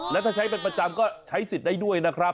แล้วถ้าใช้เป็นประจำก็ใช้สิทธิ์ได้ด้วยนะครับ